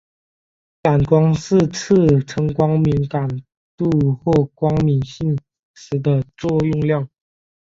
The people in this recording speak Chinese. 感光性亦称光敏感度或光敏性时的作用量。